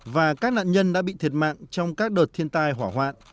và các nạn nhân đã bị thiệt mạng trong các đợt thiên tai hỏa hoạn